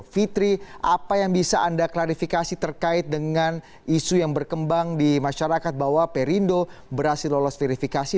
fitri apa yang bisa anda klarifikasi terkait dengan isu yang berkembang di masyarakat bahwa perindo berhasil lolos verifikasi